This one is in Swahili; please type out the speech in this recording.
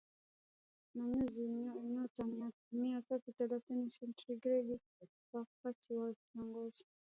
na nyuzi joto mia tatu thelathini sentigredi wakati wa kiangazi